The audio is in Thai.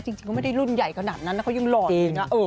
จริงเขาไม่ได้รุ่นใหญ่ขนาดนั้นนะเขายังหล่ออยู่นะ